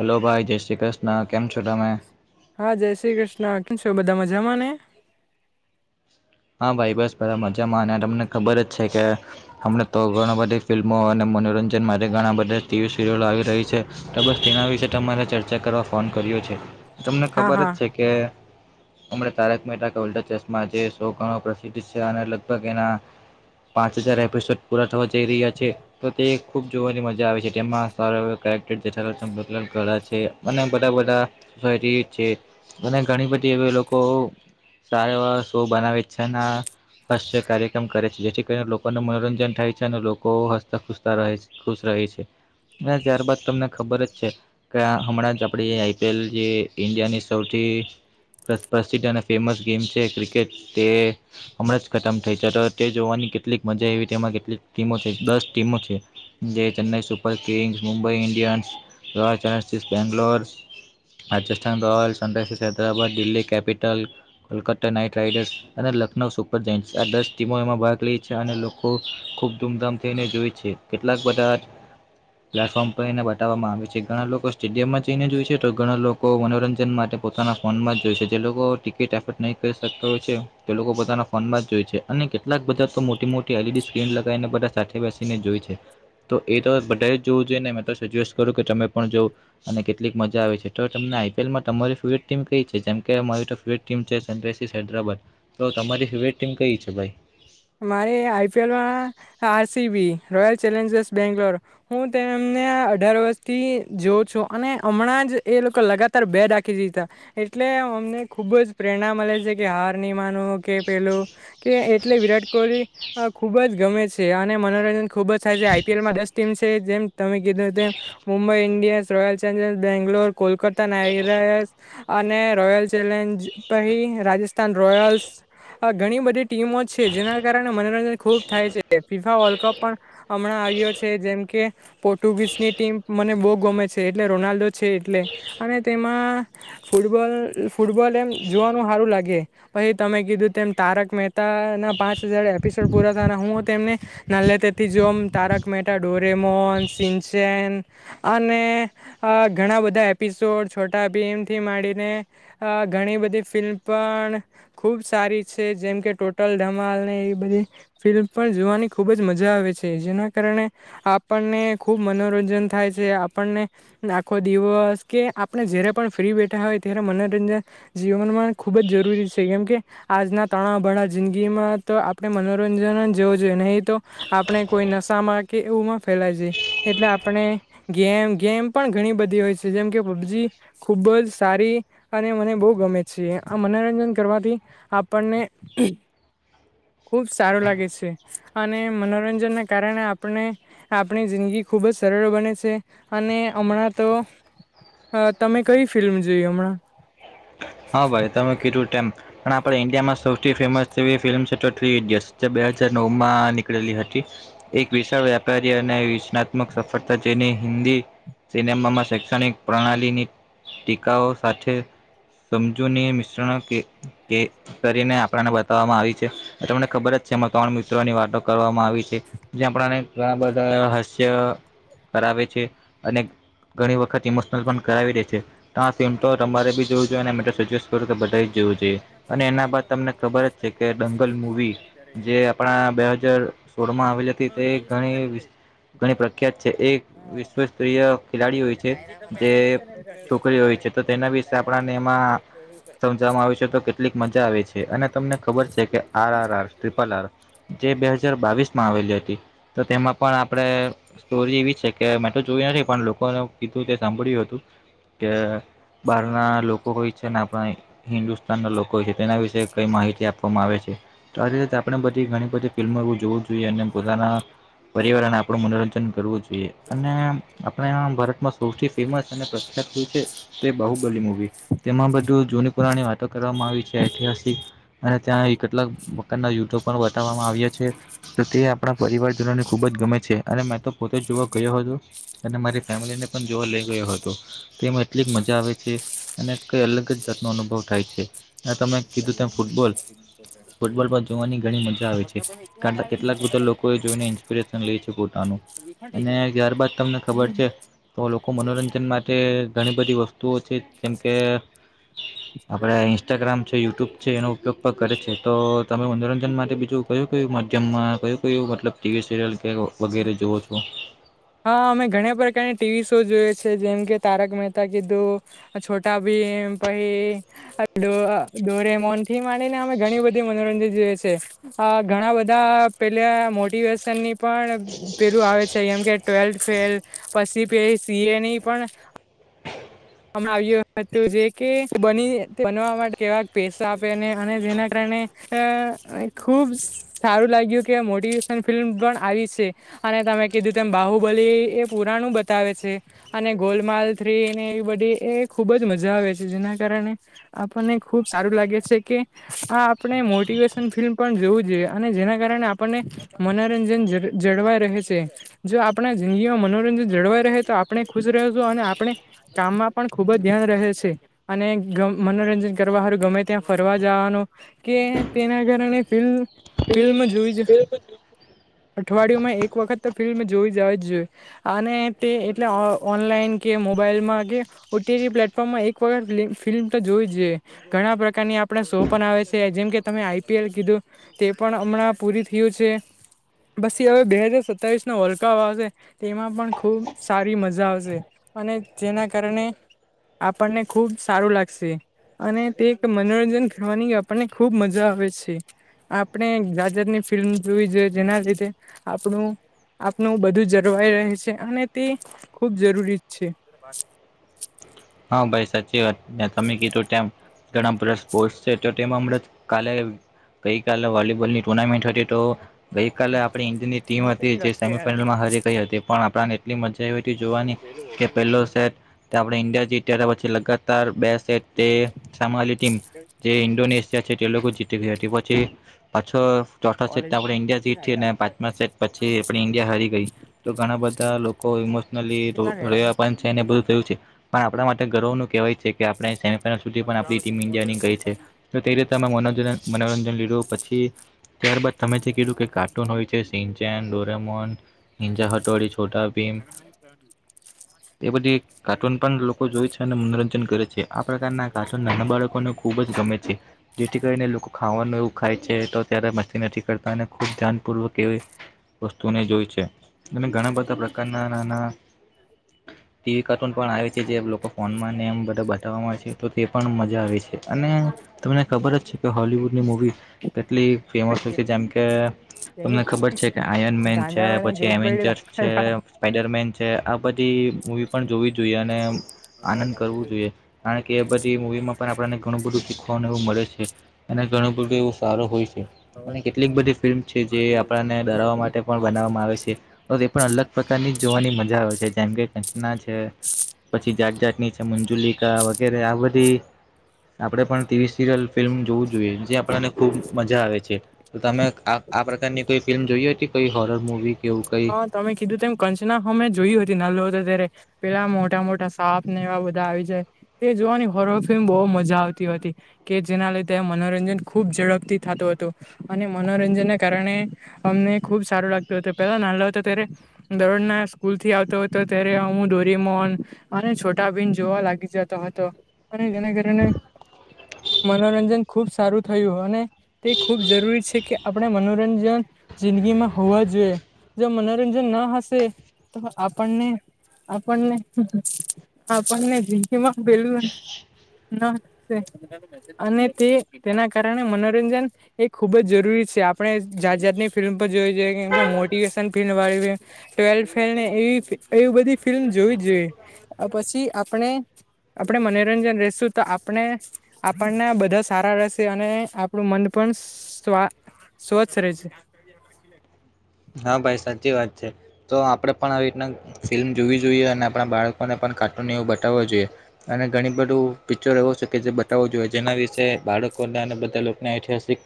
Hello, ભાઈ જય શ્રી કૃષ્ણ. કેમ છો તમે હા, જય શ્રી કૃષ્ણ કેમ છે, બધા મજામાં ને હા ભાઈ બસ પેલા મજામાં અને તમને ખબર જ છે, કે અમને તો ઘણી બધી ફિલ્મો અને મનોરંજન. મનોરંજન માટે રે ઘણા બધા ટીવી સિરિયલો આવી રહી છે, તો બસ તેના વિશે તમારે ચર્ચા કરવા ફોન કર્યો છે. તમને હા ખબર હા જ છે, કે અમને તારક મહેતા કા ઉલટા ચશ્માં જે. ઘણો પ્રસિદ્ધ છે અને લગભગ એના. પાંચ હજાર એપિસોડ પૂરા થવા જઈ રહ્યા છે, તો તે ખુબ જોવાની મજા આવે છે, જેમાં છે, જેઠાલાલ ચંપકલાલ ગડા બહુત બડા છે એ લોકો સારા એવા શો બનાવે છે. હાસ્ય કાર્યક્રમ કરે છે, જેથી કરીને લોકોનું મનોરંજન થાય છે, અને લોકો હસતા ખુતા ખુશ. થાય છે. ના ત્યારબાદ તમને ખબર જ છે, કે હમણાં જ આપડી આઈપીએલ જે ઇન્ડિયાની સૌથી પ્રસિદ્ધ અને ફેમસ ગેમ છે, ક્રિકેટ તે હમણાં જ ખતમ થઈ છે, તો તે જોવાની કેટલીક મજા આવી તેમાં કેટલીક ટીમો છે, દસ ટીમો છે. Chennai Super Kings Mumbai Indians Royal Challengers Bangalore Rajasthan Royals Sunrisers Hyderabad, Delhi Capital Kolkata, Knight Riders. અને લખનઉ સુપર જિન્સ આ દસ ટીમો એમાં ભાગ લે છે, અને લોકો ખૂબ ધૂમધામ થઇને જોય છે. કેટલાક બધા પ્લેટફોર્મ પર એને બતાવામાં આવે છે, ઘણા લોકો સ્ટેડિયમમાં જઈને જોઈ છે, તો ઘણા લોકો મનોરંજન માટે પોતાના ફોનમાં જો છે, જે લોકો ટિકિટો ન કરી શકતા હોય છે. તે લોકો બધાના ફોનમાં જ જોય છે, અને કેટલાક બધા તો મોટી મોટી એલઈડી સ્ક્રીન લગાવીને બધા સાથે બેસીને જોઈએ. [unintelligible] [inaudible] તો એ તો બધા જોવું જોઈએ, ને મેં તો સજેસ્ટ કરું કે તમે પણ જોવ અને કેટલીક મજા આવે છે, તો તમને આઈપીએલમાં તમારી ફીમ ક છે જેમ કેરી ફવ ટમ છે સનઈઝર્સ હૈદરાબાદ. તો તમારી ફેવરેટ ટીમ કઈ છે ભાઈ. મારે આઈપીએલમાં આરસીબી રોયલ ચેલેન્જર્સ બેંગ્લોર હું તેમને અઢાર વર્ષથી જોઉં છું અને હમણાં એ લોકો લગાતાર બે રાખી જ એટલે અમને ખુબ જ પ્રેરણા મળે છે કે હાર ની કે પેલું કે એટલે વિરાટ કોહલી ખુબ જ ગમે છે અને મનોરંજન ખુબ જ થાય છે આઈપીએલમાં દસ ટીમ છે જેમ તમે. Mumbai Indians Royal Challengers Bangalore Kolkata Knight Riders. અને રોયલ ચેલેન્જ પહી રાજસ્થાન રોયલ્સ આ ઘણી બધી ટીમો. છે જે. મનોરંજન ખુબ થાય છે ફીફા વર્લ્ડ કપ પણ હમણાં આવ્યો છે જેમ કે પોર્ટુગ ની ટીમ મને બહુ ગમે છે એટલે રોનાલ્ડો છે એટલે અને તેમાં ફૂટબોલ. ફૂટબોલ એમ જોવાનું સારું લાગે પછી તમે કીધું તારક મહેતા ના પાંચ હજાર એપિસોડ પૂરા થ હુંને નાથી જો તારક મહેતા સિનચેન અને ઘણા બધા એપિસોડ છોટા બી એમથી માંડીને ઘણી બધી ફિલ્મ પણ ખૂબ સારી છે જેમ કે ટોટલ બધ ફિલ્મ પણ જોવાની ખુબ જ મજા આવે છે જેના કારણે આપણને ખુબ મનોરંજન થાય છે આપણને આખો દિવસ કે આપણે જયારે પણ ફ્રી બેઠા. ત મનોરંજન જીવનમાં ખુબ જ જરૂરી છે કેમ કે આજના તણા ભ જિંદગીમાં તો આપણે મનોરંજન જવું જોઈએ નહીં તો આપણે કોઈ નશામાં કે એવું ફ આપ ગેમ પણ ઘણી બધી હોય છે જેમ કે પબજી ખુબ ખબ જ સારી અને મને બહુ ગમે છે આ મનોરંજન કરવાથી આપણને [inaudible] ખુબ સારું લાગે છે અને મનોરંજન ના કારણે આપણે આપણી જિંદગી ખુબ બ સરળ બને છે અને હમણાં તો હા તમે કઈ ફિલ્મ જોઈ હમણાં. હા ભાઈ તમે કીધું પણ આપણે ઇન્ડિયામાં સૌથી ફેમસવી ફિલ્મ છે તો બે હજાર નવ માં નીકળેલી હતી એક વિશાળ વ્યાપારી અને રચનાત્મક સફળતા જેની હિન્દી સિનેમામાં શૈક્ષણિક પ્રણાલીની ટીકાઓ સાથે સમજુ મિશ્રણ કરીને આપને બતાવવામાં આવી છે તમને ખબર જ છે. ત્રણ મિત્રોની વાતો કરવામાં આવી છે જે આપને ઘણા બધા હાસ્ય કરાવે છે અને ઘણી વખત ઇમોશનલ પણ કરાવી દે છે ત ફિલ્મ તો તમારે બી જોવવી જોઈએ અને સજેસ્ટ કર. બવું જોઈએ અને એના બાદ તમને ખબર જ છે કે દંગલ મવી જે આપણા બે હજાર સોળ માં આવેલી હતી તે ઘણી ઘણી પ્રખ્યાત છે એક વિશ્વ સ્તરીય ખેલાડી હોય છે જે છોકરી હોય છે. છે તો તેના વિશે આપ મળી જ છે એ કેટલીક મજા આવે છે અને તમને ખબર છે કે R R R triple R જે બે હજ જાર બાવીસ માં આવેલી હતી તો તેમાં પણ આપણે સ્ટોરી એવી છે કે મેં તો જોઈ નથી પણ લોકો કીધું તે સાંભળ્યું હતું કે બાર ના લોકો હોઈ છે ને આપણા હિન્દુસ્તાનના લોકો હોય છે તેના વિશેે કઈ માહિતી આપવામાં આવે છે તો આવી રીતે. આપણે બધી ઘણી બધી ફિલ્મરવું જોવું જોઈએ અને પોતાના પરિવારને આપણું મનોરંજન કરવું જોઈએ. આપણે ભારતમાં સૌથી ફેમસ અને પ્ર તે બહુબલી મુવી તેમાં બધું જૂની પુરાની વાતો કરવામાં આવી છે ઐતિહાસિક. અને ત્યાં કેટલાક પ્રકારના યુદ્ધો પણ બતાવવામાં આવ્યા છે તો તે આપણા પરિવારજનોને ખુબ જ. ગમે છે અને મેં તો પોતે જ જોવા ગયો હતો અને મારી ફેમિલીને પણ જોવા લઈ ગયો હતો તે એટલી મજા આવે છે અને કઈ અલગ જ જાતનો અનુભવ થાય છે. તમે કીધું તેમ ફૂટબોલ ફૂટબોલ પણ જોવાની ઘણી મજા આવે છે કેટલાક બા લોકો જોઈને ઇન્સ્પિરેશન લે છે પોોટાનું અને ત્યારબાદ તમને ખબર છે. તો લોકો મનોરંજન માટે ઘણી બધી વસ્તુઓ છે જેમ કે આપડે ઇન્સ્ટાગ્રામ છે યુટ્યુબ છે એનો ઉપયોગ પણ કરે છે તો તમે મનોરંજન માટે બીજું કયું કેયું જમમાં ક્યુ ક્યુ મતલ ટીવી સિરિયલ કે વગેરે જોવો છો હા અમે ઘણા પ્રકારની ટીવી શો જોઈએ છે જેમ કે તારક મહેતા કીધું છોટા ભીમ [unintelligible] ડોરેમૌન થી ને અમે ઘણી બધી મનોરંજન જોઈએ છે અ ઘણા બધા પેલા મોટિવેશન ની પણ પેલું આવે છે જેમ કે ટ્વેલ્થ ફેલ પછી પે સી એની પણ હ [unintelligible] હમણાં આવ્યું હતું જે કે બની બનવા માટે કેવાક પૈસા આપેને અને જેના કારણે અ ખુબ સારું લાગ્યું કે મોટિવેશન ફિલ્મ પણ આવી છે અને તમે કીધુ તેમ બાહુ બલી એ પુરાણુ બતાવે છે અને ગોલમાલ થ્રી ને એવી બધી એ ખુબ જ મજા આવે છજેના કારણને આપને ખબ સારું લાગે છે, કે આ આપણે મોટિવેશન ફિલ્મ પણ જોવુ જોઈયે અને જેના કારણે આપણે મનોરંજન જન જળવાય રહે છે જો આપ આપણા જિંદગીમાં મનોરંજન જળવાઈ રહે તો આપણે ખુશ રહેશું અને આપણે કામમાં પણ ખુબ જ ધ્યાન રહે છે અને ગ મનોરંજન કરવા હારુ ગમે ત્યા ફરવા જવાનું કે તેના કારણે ફિલ્મ ફિલ્મ જોઈ જ અઠવાડિયુંમાં એક વખત તો ફિલ્મ જોઈ જવા જ જોઈએ અને તે એટલે અ ઓનલાઈન કે કે મોબાઈલમાં કે ઓ. ટી. ટી પ્લેટફોર્મમાં એક વખત ફિલ્મ તો જોઈ જ જઈએ ઘણા પ્રકારની આપ આપણા શો પણ આવે છે જેમ કે તમે આઈપીએલ કીધું તે પણ હમણાં પૂરી થયું છે પસી હવે બે હાજર સતાવીસ નો વર્લ્ડ કપ આવશે તો એમાં પણ ખુબ સારી મઝા આવશે અને જેના કારણે આપણને ખુબ સારુ લાગશે અને તે એક મનોરંજન કરવાની આપણને ખુબ મજા આવે છે આપણે જાત જાાતની ફિલ્મ જોવી જોઈએ જેના લીધે આપણું આપનું બધું જળવાઈ રહે છે અને તે ખૂબ જરૂરી છે હા ભાઈ સાચી વાત તમે કીધું તેમ ઘણા બધા સ્પોર્ટ્સ છે તો તેમાં હમણાં કાલે ગઈકાલ વોલીબોલની ટુર્નામેન્ટ હતી તો ગઈકાલે આપણી ઇન્ડિયન્ની ટીમ હતી જે સેમીફાઈનલમાં હરી ગઈ હતી પણ આપણાને એટલી મજા આઈવીતી જોવાની કે પહેલો સેટ તે આપણે ઇન્ડિયા જીતિયા ત્યા પછી લગાતાર બેસ્ટ તે સામેલી ટીમ જે ઇન્ડોનેશિયા છે તે લોકો જી [unintelligible] હટી પછી પાછો ચોથા સેટ ત આપણે ઈન્ડિયા જીતીને પાંચમા સેટ પછી આપણી ઈન્ડિયા હારી ગઈ તો ઘણા બધા લોકો ઇમોશનલી કેટલા [unintelligible] છેને બધું થયું છે પણ આપણા માટે ગર્વ નું કહેવાય છે, કે આપણે સે સુધી પણ આપણી ટીમ ઇન્ડિયાની ગઈ છે, તો તે રીતે મેનોજન મનોરંજન લીધું પછી ત્યારબાદ તમે જે કીધું કે કાર્ટૂન હોય છે, સિચેન, ડોરેમોન, નિંજા હટોડી, છોટા ભીમ એ બધી કાર્ટૂન પણ લોકો જોય છે, અને મનોરંજન કરે છે, આ પ્રકારના કાટુન નાના બાળકોને ખૂબ જ ગમે છે, જેથી કરી ને લોકો ખાવાનું એવું ખાય છે, તો ત્યારે મસ્તી નથી કરતા અને ખુબ ધ્યાનપૂર્વક એવી વ ટુને જોય છે, અને ઘણા બધા પ્રકારના નાના ટીવી કાર્ટૂન પણ આવે છે, જે લોકો ફોનમાં ને એમ બધા બતાવમાં આવે છે, તો તે પણ મજા આવે છે, અને તમને ખબર જ છે. કે હોલિવૂડની મૂવી કેટલી ફેમસ હોય છે, જેમ કે તમને ખબર છે, કે આયર્નમેન છે, પછી એવેન્જરસ છે, સ્પાઈડરમેન છે, આ બધી મુવી પણ જોવી જોઈએ અને આનંદ કરવું જોઈએ કારણ કે એ બધી મુવી માં પણ આપને ઘણું બધું શીખવાને એવું મળે છે, અને ઘણું બધું એવું સારો હોય અને કેટલીક બધી ફિલ્મ છે, જે આપણને ડરાવવા માટે પણ બનાવવામાં આવે છે, [unintelligible] પણ અલગ પ્રકારની જોવાની મજા આવે છે, જેમ કે કંચના છે, જાતજાટણી છે, મંજુલિકા વગેરે આ બધી આપડે પણ ટીવી સિરિયલ ફિલ્મ જોવું જોઈએ જે આપણને ખૂબ મજા આવે છે, તમે આ આ પ્રકારની કોઈ ફિલ્મ જોઈએ હતી કોઈ હોરર મૂવી કે એવું કઈ હ તમે કીધું તેમ કંચના હમે જોયું હતી નાનલો હતો ત્યારે પેલા મોટા મોટા સાપ ને એવા બધા આવી જાય તે જોવાની હોરફમ બો મજા આવતી [unintelligible] કે જેના લીધે મનોરંજન ખૂબ ઝડપથી થતું હતું અને મનોરંજનને કારણે અમને ખુબ સારું લાગતું હતે પેલા નાનલ હતો ત્યારે દરોજના સ્કૂલ થી આવતો હતો ત્યારે હું દોરેમોન અને છો ટાભીમ જોવા લાગી જાતો હતો અને જેના કારણે મનોરંજન ખુબ સારું થયું અને તે ખૂબ જરૂરી છે, કે આપણે મનોરંજન જિંદગી માં હોવા જોઈએ જો મનોરંજન ના હશે તો આપણને આપણને આપણને જિગીમાં પેલું અને તે તેના કારણે મનોરંજન એ ખુબ જ જરૂરી આપણે જાત જાતની ફિલ્મ પર જોઈ જઈએ કેમ કે મો ળ ટવેથ એવી બધી ફિલ્મ જોવી જ જોઈએ પછી છી આપણે આપણે મનોરંજન રેશું તો આપણે આપણને બધા સારા રહેશે અને આપણું મન પ પણ સવા સ્વચ્છ રે છે. હા ભાઈ સાચી વાત છે, તો આપડણે પણ આવી રીતના ફિલ્મ જોવી જોઈએ અને આપણા બાળકોને પણ કાર્ટૂન એવું બતાવવો જોઈએ અને ઘણી બધું પિક્ચર એવું છે, કે જે બતાવવો જોઈએ જેના વિશે બાળક [unintelligible] બધાને ઐતિહાસિક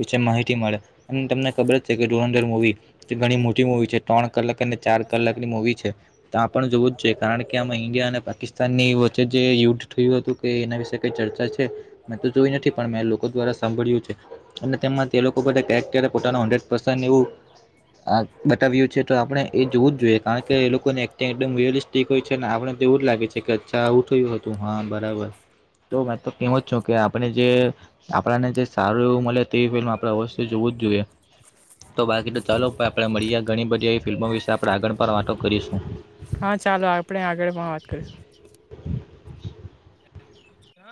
વિશે માહિતી મળે અને તમને ખબર જ છે, કે ધુરધર મુવી તે ઘણી મો તી મુવી છે, ત્રણ કલાક અને ચાર કલાકની મુવી છે, તો આપ પણ જોવું જ જોઈએ કારણ કે આમાં ઇન્ડિયા અને [unintelligible] ની વચ્ચે જે યુદ્ધ થયું હતું કે એના વિશે કઈ ચર્ચા છે, મેં તો જોઈ નથી પણ મેં લોકો દ્વારા સાંભળ્યું છે, અને તેમાં તે લોકો બધા કેરેક્ટર એ પોતાનું હનદરેટ પરસન એવું બતાવ્યું છે, તો આપણે એ જોવું જ જોઈએ કારણ કે એ લોકોને એક્ટિંગ એકદમ રિયલિસ્ટિક હોય છે, અને આપણને તો એવું જ લાગે છે, કે અચ્છા આવું થયું હતું હા બરાબર. તો મેં તો કેવો જ છું કે આપણે જે આપણને જે સારું એવું મલે તે ફિલ્મ આપણે અવશ્ય જોવું જ જોએ તો બાકી તો ચાલો ભાય આપણે મળીએ ઘણી બધી એવી ફિલ્મો વિશે આપણે આગળ પર વાતો કરીશું હા ચાલો આપણે આગળ વાત કરીશું [inaudible]